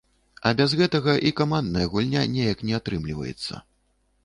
А без гэтага і камандная гульня неяк не атрымліваецца.